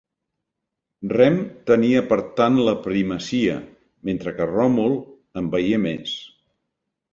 Rem tenia per tant la primacia, mentre que Ròmul en veié més.